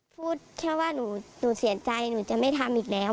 พูดแค่ว่าหนูเสียใจหนูจะไม่ทำอีกแล้ว